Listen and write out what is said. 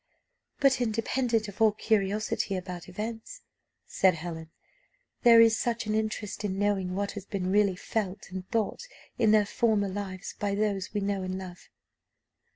"But, independent of all curiosity about events," said Helen, "there is such an interest in knowing what has been really felt and thought in their former lives by those we know and love."